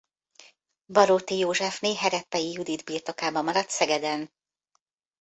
Baróti Józsefné Herepei Judit birtokában maradt Szegeden.